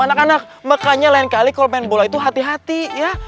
anak anak makanya lain kali kalau main bola itu hati hati ya